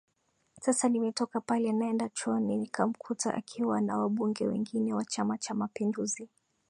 Sasa nimetoka pale naenda chooni nikamkuta akiwa na wabunge wengine wa Chama cha mapinduzi